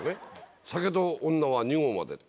「酒と女は二合まで」って。